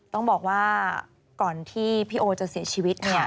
ต้องบอกว่าก่อนที่พี่โอจะเสียชีวิตเนี่ย